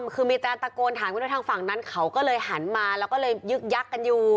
คือมีการตะโกนถามกันว่าทางฝั่งนั้นเขาก็เลยหันมาแล้วก็เลยยึกยักกันอยู่